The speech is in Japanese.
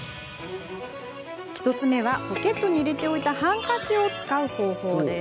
１つ目はポケットに入れておいたハンカチを使う方法です。